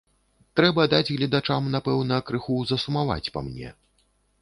Трэба даць гледачам, напэўна, крыху засумаваць па мне.